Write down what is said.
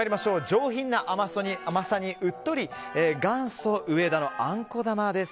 上品な甘さにうっとり元祖植田のあんこ玉です。